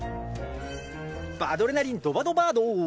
バドレナリン、ドバドバード。